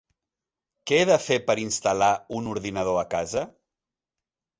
Què he de fer per instal·lar un ordinador a casa?